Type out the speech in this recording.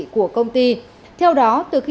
của công ty theo đó từ khi